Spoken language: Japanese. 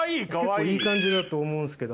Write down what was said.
結構いい感じだと思うんすけど。